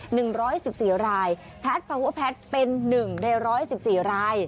หนึ่งร้อยสิบสี่รายแพทย์ฟาเวอร์แพทย์เป็นหนึ่งในร้อยสิบสี่ราย